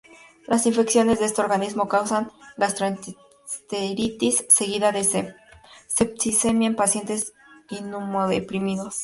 Las infecciones de este organismo causan gastroenteritis, seguida de una septicemia en pacientes inmunodeprimidos.